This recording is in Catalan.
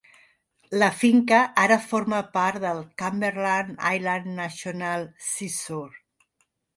La finca ara forma part del Cumberland Island National Seashore.